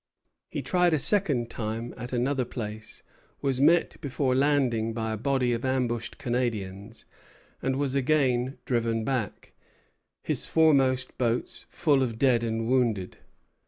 He tried a second time at another place, was met before landing by a body of ambushed Canadians, and was again driven back, his foremost boats full of dead and wounded.